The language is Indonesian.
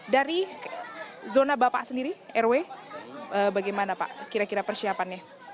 dari zona bapak sendiri rw bagaimana pak kira kira persiapannya